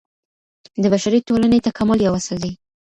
د بشري ټولني تکامل يو اصل دی.